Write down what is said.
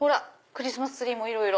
クリスマスツリーもいろいろ。